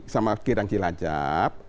sama kirang kilajap